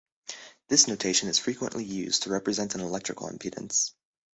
This notation is frequently used to represent an electrical impedance.